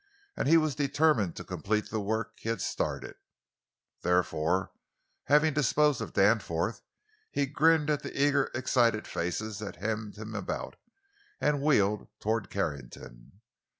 And he was determined to complete the work he had started. Therefore, having disposed of Danforth, he grinned at the eager, excited faces that hemmed him about, and wheeled toward Carrington.